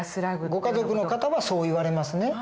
ご家族の方はそう言われますね。